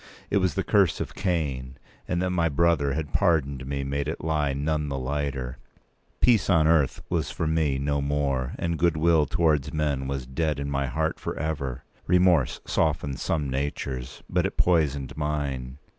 It was the curse of Cain, and that my brother had pardoned me made it lie none the lighter. Peace on earth was for me no more, and goodwill towards men was dead in my heart for ever. Remorse softens some natures; but it poisoned mine.